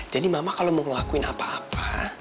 jadi mama kalau mau ngelakuin apa apa